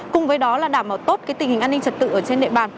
cùng với đó là đảm bảo tốt tình hình an ninh trật tự ở trên địa bàn